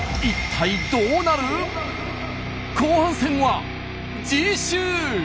後半戦は次週！